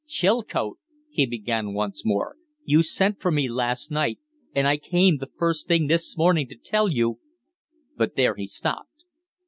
"Chilcote," he began once more, "you sent for me last night, and I came the first thing this morning to tell you " But there he stopped.